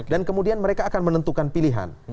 dan kemudian mereka akan menentukan pilihan